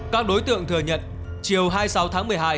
các đối tượng thừa nhận chiều hai mươi sáu tháng một mươi hai